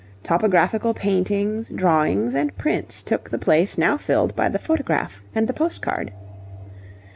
Topographical paintings, drawings, and prints took the place now filled by the photograph and the postcard.